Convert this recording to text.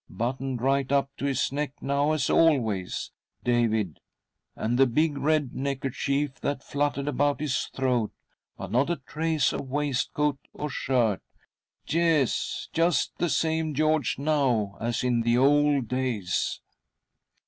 Buttoned right up to his neck, now as always, David, and the big red necker chief that fluttered about his throat j but not a trace of waistcoat or shirt. Yes ! just the same George now as in the old days."